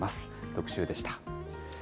特集でした。